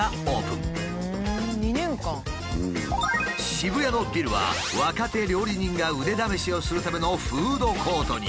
渋谷のビルは若手料理人が腕試しをするためのフードコートに。